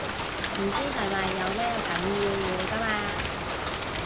唔知係咪有咩緊要嘢㗎嘛